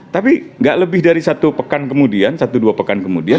tapi nggak lebih dari satu pekan kemudian satu dua pekan kemudian